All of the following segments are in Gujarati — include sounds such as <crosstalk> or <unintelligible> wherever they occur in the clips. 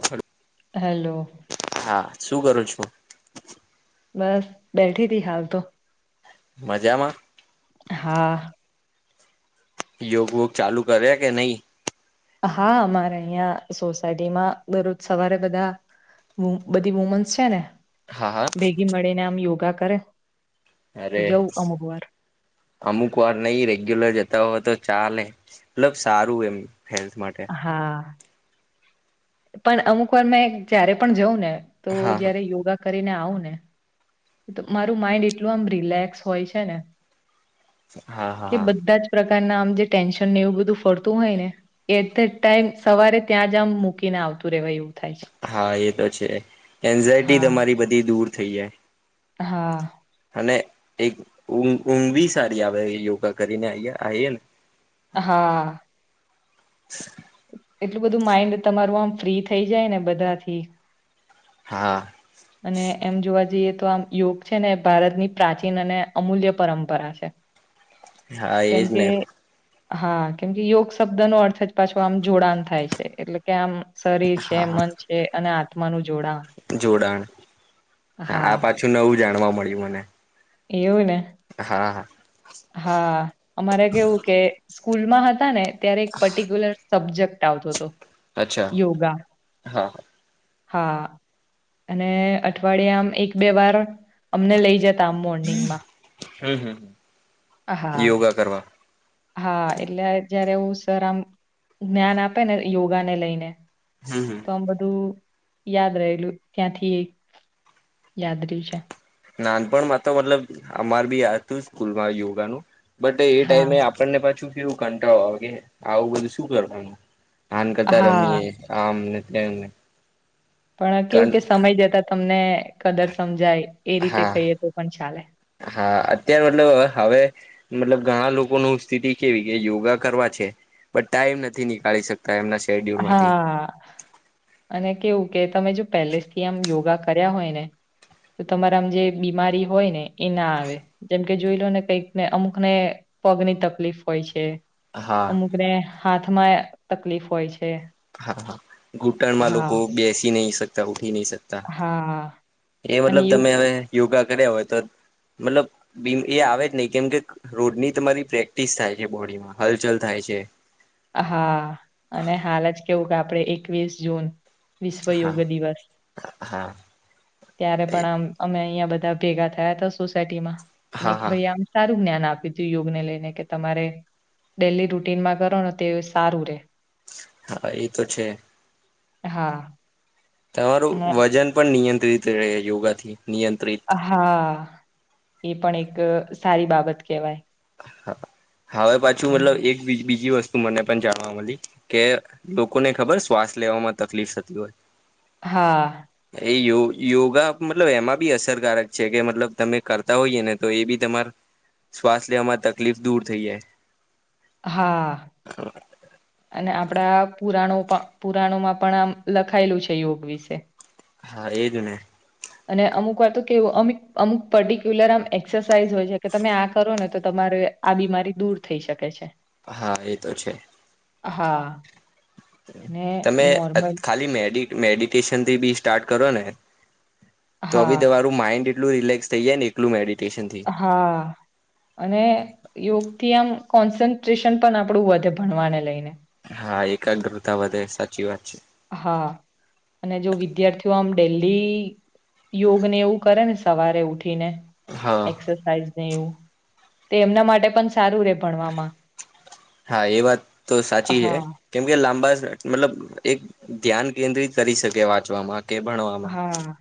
હ હલો હા શું કરું છું? બસ બેઠી તી હાલ તો મજામાં હા યોગવોગ ચાલુ કરે કે નહી હા અમારે અહં સોસાયટીમાં દરરોજ સવારે બધા બધી વુમન્સ છે ને હા હા ભેગી મળીને આમ યોગા કરે. તો અરે જવું અમુક વાર અમુક વાર નઈ રેગ્યુલર જતા હો તો ચાલે મતલબ સારું એમ હેલ્થ માટે હા પણ અમુક વાર મેં જય્યારે પણ જઉં ને તો હા જયારે યોગા કરીને આવું ને મારું માઈન્ડ એટલું આમ રિલેક્સ હોય છે ને હા હા હા કાર ના આમ જે ટેન્શન ને એવું બધું ફરતું હોય ને એટ ધ ટાઈમ સવારે ત્યાં જ આમ મૂકીને આવે. તું રેવાયું. હા એ તો છે એન્ઝાયટી હા તમારી બધી દૂર થઈ જાય. હા અને એક ઊઘવી સારી આવે યોગા કરીને આ આએ ને હા <inaudible> એટલું બધું માઈન્ડ તમારું આમ ફ્રી થઈ જાય ને બધાથી હા અને એમ જોવા જઈએ તો આમ યોગ છે ને એ ભારતની પ્રાચીન અને અમૂલ્ય પરંપરા છે. હા એજ કેમ કે ને હા કેમકે યોગ શબ્દ નો અર્થ જ પાછો આમ જોડાણ થાય છે એટલે કે આમ શરીર છે હા હા મન છે અને આત્માનુંું જોડાણ હા આ પાછું નવું જાણવા મળ્યું મને એવું ને હા હા હા અમારે કેવું કે સ્કૂલમાં હતા ને ત્યારે એક પર્ટિક્યુલર સબ્જેક્ટ આવતો હતો. અચ્છા યોગા હા હ હા અને અઠવાડિયામ એક બે વાર અમને લઈ જતા તા મોર્નિંગમાં હમ હમ હા યોગા કરવા હા એટલે જયારે એ સર આમ જ્ઞાન આપે ને યોગાને લઈને હમ હમ તો આમ બધું યાદ રહેલું ત્યાંથી યાદ રહ્યું છે. નાનપણમાં તો મતલબ અમાર બી હતું સ્કૂલમાં યોગાનું બટ એ હા ટાઈમે આપણને પાછું કેવું કંટાળો આવે કે આવું બધું શું કરવું આન કરતા હા રમીએ આમ ને તેમ‌ને પણ કેવું કે સમય જતા તમને કદર સમજાય એ રીતે હા કહીએ તો પણ ચાલે હા અત્ય્યારે મતલબ હવે મતલબ ઘણા લોકો ન સ્થિતિ કેવી કે યોગા કરવા છે, પણ ટાઈમ નથી, નીકાળી શક હા, અને કેવું કે તમે જો પેલેસ થી, આમ યોગા કર્યા હોય, ને તો તમારામ જે બીમારી હોય, ને એ ના આવે જેમકે જોઈ, લો ને કઈકને અમુકને પગની તકલીફ હોય છે, હા અમુકને હાથમાં તકલીફ હોય છે. હા, હા ઘૂંટણમા હા લોકો બેસી નહી, શકતા. નકતા, હા એ અને મતલબ યુગ તમે હવે, યોગા કર્યા હોય તો મતલબ એ આવે જ નહીિ, કેમ કે રોડની તમારી પ્રેક્ટિસ થાય છે, બોડીમાં હલચલ થાય છે. હા, અને હાલ જ કેવું, કે આપણે એકવીસ જૂન વિશ્વ યોગ હા દિવસ, હા. ત્યારે એ પણ આમ અમે અં બધા ભેગા થયા, હતા સોસાયટીમાં અને હા હા ભાઈ આમ જ્ઞાન આપીું યોગને લઈને, કે તમારે ડેલી રૂટીનમાં કરો ને તે સારું રે હા, એ તો છે. હા. તમારું અને વજન પણ નિયંત્રિત રહે, યોગા થી હા, એ પણ એક સારી બાબત, કેહેવાય હ હવે, પાછું મતલબ એક બીજી વસ્તુ તું મને પણ જાણવા મળી કે લોકોને, ખબર શ્વાસ લેવામાં તકલીફ થતી, હોય હા. એયો યોગા મતલબ એમાં બી અસરકારક છે, કે મતલબ તમે કરતા હોઈએ ને તો એ બી તમાર શ્વાસ લેવામાં, તકલીફ દૂર થઈ, જાય હા. અને આપણા પુરાણો પુરાણોમાં પણ આમ લખાયેલું છે, યોગ વિશે હા, એજને અને અમુક વાર, તો કેવું અમુક અમુક પર્ટિક્યુલર આમ એક્સરસાઇઝ હોય છે, કે તમે આ કરો ને તો તમાર આ બીમારી દૂર થઈ, શકે છે. હા, એ તો છે હા. ને તમે નોર્મલ ખાલી મેડી મેડિટેશનથી બી સ્ટાર્ટ કરો ને તો હી, હા, તમારું માઇન્ડ એું રિલેક્ થઈ, જ ને એલું મે હા, અને યોગ ત્યા આમ કોન્સન્ટ્રેશન પણ આપણું વધે, ભણવાને લઈને હા, એક હા, અને જો વિદ્યાર્થીઓ આમ ડેલી યોગ, ને એવું કરે ને સવારે ઉઠી ને હા એક્સરસાઇઝ, ને એવું તે એમના માટે પણ સારું, રે ભણવામાં હા, એ વાત તો સાચી છે, હા, કેમ કે લાંબા મતલબ એક ધ્યાન, કેન્દ્રિત કરી શકે વાંચવામાં કે ભણવામા હા,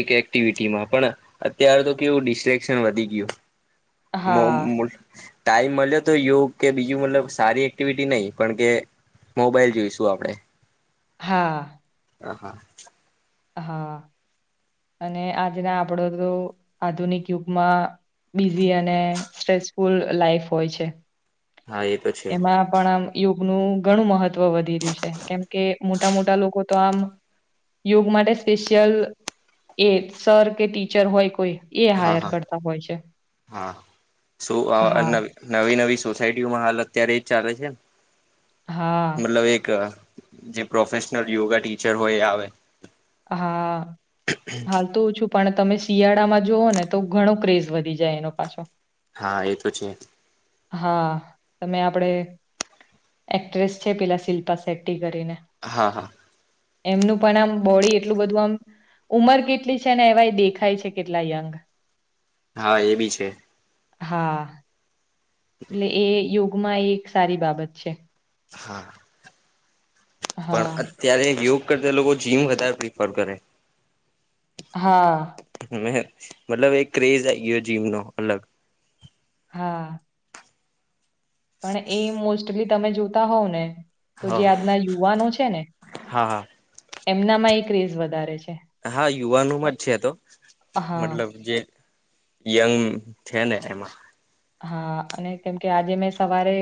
એક એક્ટિવિટીમા પણ અત્ય્યારે, તો કેવું ડિસ્ટ્રેક્શન વધી ગયું હા, <unintelligible> ટાાઈ મળ. તો યોગ કે બીજું મતલબ સારી એક્ટિવિટી નહીિ, પણ કે મોબાઈલ જોઈશું આપણેે હા. હહા હા, અને આજના આપડો, તો આધુનિક યુગમાં બિઝી, અને સ્ટ્રેસફુલ લાાઈફ હોય છે હા એ તો છે. એમાં, પણ આમ ઔ. નું ઘણું મહત્વ વધી રહ્યું છે. કેમકે મોટા મોટા લોકો તો આમ યોગ માટે સ્પેશિયલ એ સર કે ટીચર હોય કોઈ એ હા હાયર હા કરતા હોય છે. હા, શું આ હા નવી નવી સોસાયટીઓમાં હાલ અત્યારે જ ચાલે છેને. હા મતલબ, એક જે પ્રોફેશનલ યોગા ટીચર હોય એ આવે. હા! હાલ તો ઓછું પણ તમે શિયાળામાં જુઓ ને તો ઘણો ક્રેઝ વધી જાય, એનો પાછો હા એ તો છે. હા તમે આપડે એક્ટ્રેસ છે. પેલા શિલ્પા સેટ્ટી કરીને, હા હા એમનું પણ આમ બોડી એટલું બધું આમ, ઉમર કેટલી છે ને? એવાય દેખાય છે. કેટલા યંગ હા, એ બી છે. હા! એટલે, એ યોગમાં એ એક સારી બાબત છે. હા, હા પણ અત્યારે યોગ કરતા, લોકો જીમ વધારે પ્રિફર કરે. હા! મતલબ એક ક્રેઝ આયી ગ્યો જીમનો અલગ હા! પણ, એ મોસ્ટલી તમે જોતા હોવ ને તો જે હા આજના યુવાનો છે ને, હા હા એમનામાં એ ક્રેઝ વધારે છે. હા યુવાનોમાં જ છે તો હા મતલબ જે યંગ છે ને એમાં, હા અને કેમ કે આજે મેં સવારે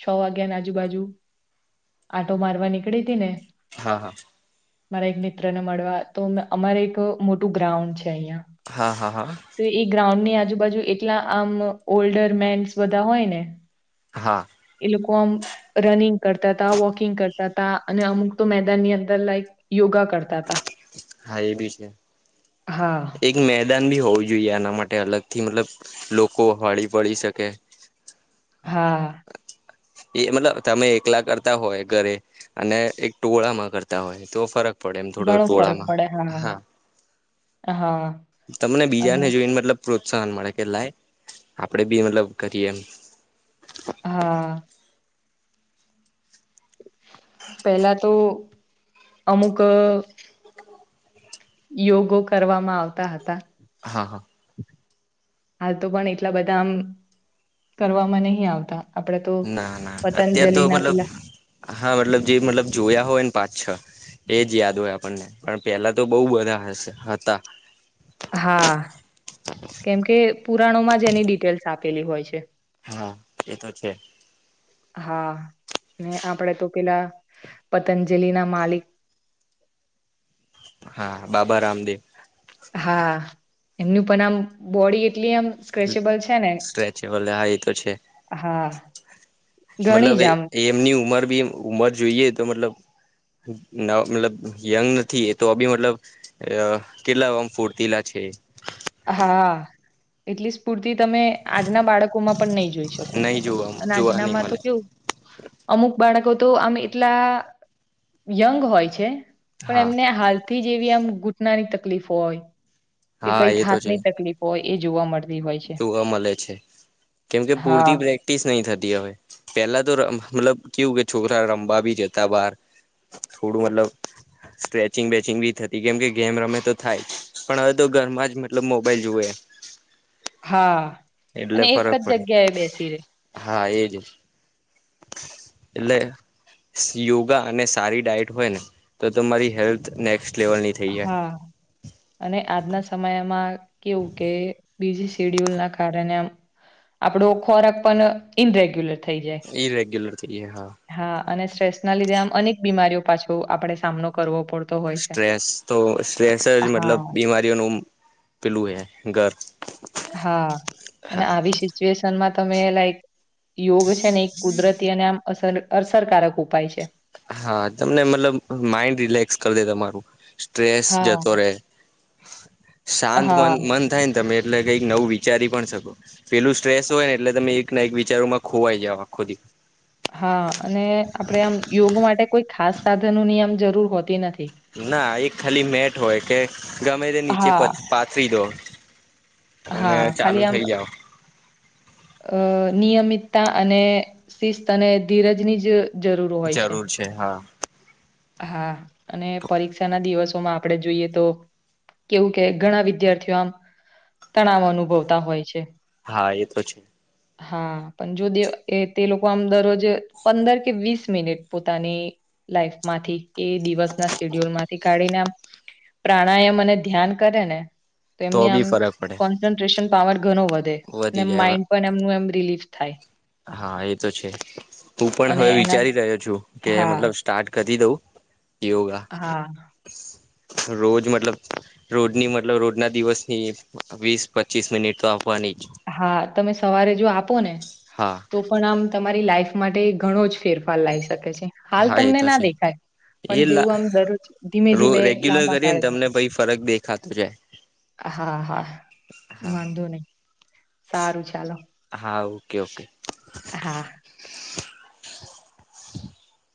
છ વાગ્યાની આજુબાજુ, આંટો મારવા નીકળી હતી ને! હા હા! મારા એક મિત્ર ને મળવા તો, અમારે એક મોટું ગ્રાઉન્ડ છે. હા હા હા <inaudible> તો એ ગ્રાઉન્ડ ની આજુબાજુ એટલા આમ ઓલ્ડર મેન્સ બધા હોય ને! હા! અમુક આમ રનિંગ કરતા હતા, વોકિંગ કરતા હતા અને અમુક તો મેદાનની અંદર લાયક યોગા કરતા તા હા એ ભી છે. હા એક મેચ દાન બી હોવું જોઈએ આના માટે અલગ થી, મતલબ લોકો હળી પડી શકે. હા, એ મતલબ તમે એકલા કરતા હોય ઘરે, અને એક ટોળામાં કરતા હોય તો, ફરક પડે એમ થોડો ઘણો ફરક ટોળામાં પડે હા હા તમને અને બીજાને જોઈ ને મતલબ પ્રોત્સાહન મળે કે, લાય આપડે બી મતલબ કરીએ એમ, હા! પેલા તો અમુક! યોગો કરવામાં આવતા હતા. હા હા હાલ તો પણ, એટલા બધા આમ કરવામાં નહી આવતા. આપડે તો ના ના અત્યાર તો, પતંજલિ ના મતલબ પેલા હા, મતલબ જે મતલબ જોયા હોયને પાંચ, છ એજ યાદ હોય આપણને, પણ પેલા તો બહુ બધા હશે હતા. હા કેમકે, પુરાણોમાં જ એની ડિટેલ્સ આપેલી હોય છે. હા, એ તો છે. હા ને આપડે તો, પેલા પતંજલી ના માલિક હા બાબા રામદેવ! હા એમનું પણ આમ બોડી એટલી આમ સ્ક્રેચેબલ છે ને સ્ટ્રેચેબલ હા એ તો છે. હા ઘણી મતલબ જ આમ એમની ઉંમર બી ઉમર જોઈએ તો મતલબ મતલબ યંગ નથી એ તો અ બી મતલબ, કેટલામ ફૂર્તીલા છે. હા, એટલી સ્પૂર્તિ તમે આજના બાળકો માં પણ નહી જોઈ શકો. નહી જોવા જોવા નહી રાનામા મળે તો કેવું અમુક બાળકો તો આમ એટલા યંગ હોય છે, પણ હા એમને હાલ થી જેવી આમ ઘૂટનાની તકલીફો હોય હા કંઈક એ તો હાથ છે ની તકલીફ હોય એ જોવા મળતી. હોય છે જોવા મળે છે. કેમકે હા પૂરતી પ્રેક્ટિસ નહી થતી હવે, પેલા તો મતલબ ક્યુ કે છોકરા રમવા ભી જતા બહાર, થોડું મતલબ સ્ક્રેચિંગ વેચિંગ બી થતી કેમ કે ગેમ રમે તો થાય, પણ હવે તો ઘરમાં જ મતલબ મોબાઈલ જોવે. <inaudible> હા એટલે અને એક ફરક જ પડે, જગ્યાએ બેસી રે હા એજ. <inaudible> એટલે યોગા અને સારી ડાયટ હોય ને, તો તમારી હેલ્થ નેક્સ્ટ લેવલની થઈ જાય હા, અને આજના સમયમાં કેવું કે બીજી શેડ્યુલ ના કારણે આપણો ખોરાક પણ ઇનરેગ્યુલર થઈ જાય. એ ર ગેલ હા અને સ્ટ્રેસ ના લીધે આમ અનેક બીમારીઓ પાછો આપડણે સામનો કરવો પડતો હોય છે. સ્ટ્રેસ તો સ્ટ્રેસ જ હા મતલબ બીમારીઓનું પેલું હે ઘર. હા, અને હા આવી સિચ્યુએશનમાં તમે લાઈક યોગ છે ને એક કુદરતી અને આમ અ અસરકારક ઉપાય છે. હા તમને મતલબ માઇન્ડ રિલેક્સ કરી દે તમારું. ટ્રેસ હા જતોરે. શાંત મન હા મન થાય ને તમે એટલે કઈક નવું વિચારી પણ શકો, પેલું સ્ટ્રેસ હોય ને એટલે તમે એક ના એક વિચારોમાં ખોવાઈ જઓ આખો દી. હા અને આપડે આમ યોગ માટે કોઈ ખાસ સાધનોની આમ જરૂર હોતી નથી. ના એક ખાલી મેટ હોય કે ગમે તે નીચે હા પાથરી દો. હા ચાલુ ખાલી આમ થઇ જાવ. અ નિયમિતતા અને શિસ્ત અને ધીરજની જ જરૂર હોય જરૂર છે હા. હા અને પરીક્ષા ના દિવસોમાં આપ આપડણે જોઈએ તો, કેવું કે ઘણા વિદ્યાર્થીઓ આમ તણાવ અનુભવતા હોય છે. હા એ તો છે. હા પણ જો દે તે લોકો આમ દરરોજ પંદર કે વીસ મિનિટ પોતાની લાઈફ માંથી કે દિવસ ના શેડ્યુલ માંથી કાઢીને આમ પ્રાણાયામ અને ધ્યાન કરે ને તો એમની બી આમ ફરક પડે કોન્સન્ટ્રેશન પાવર ઘણો વધે, વધી અને જાય માઇન્ડ પણ એમનું એમ રિલીફ થાય હા એ તો છે, હું પણ અને હવે એના વિચારી રહ્યો છું કે હા મતલબ સ્ટાર્ટ કદી દઉં. યોગા હા. રોજ મતલબ રોજની મતલબ રોજના દિવસની વીસ પચીસ મિનિટ તો આવવાની જ. હા તમે સવારે જો આપો ને, હા તો પણ આમ તમારી લાઈફ માટે ઘણો જ ફેરફાર લાવ શકે છે, હાલ હા એ તમને તો ના છે દેખાય. પણ એ લા જેવું આમ દરરોજ ધીમે રો ધીમે રેગ્યુલર લાંબા કરીએ ને કાળે લ તમને ભાઈ ફરક દેખાતો જાય હા હા, હા વાંધો નહી, સારું ચાલો. હા ઓકે ઓકે. હા. હ <inaudible>